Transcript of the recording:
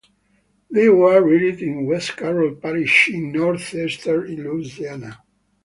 They were reared in West Carroll Parish in northeastern Louisiana.